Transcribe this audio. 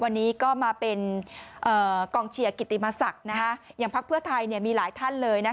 วันนี้ก็มาเป็นกองเชียร์กิติมศักดิ์อย่างพักเพื่อไทยมีหลายท่านเลย